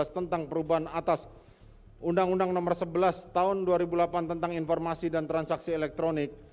tentang perubahan atas undang undang nomor sebelas tahun dua ribu delapan tentang informasi dan transaksi elektronik